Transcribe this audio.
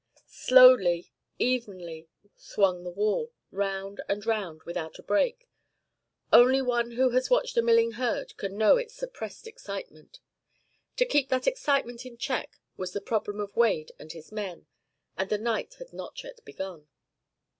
Slowly, evenly, swung the wall, round and round, without a break. Only one who has watched a milling herd can know its suppressed excitement. To keep that excitement in check was the problem of Wade and his men. And the night had not yet begun.